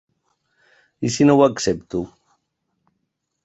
I si no ho accepto?